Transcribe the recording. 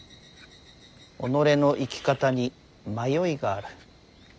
己の生き方に迷いがある。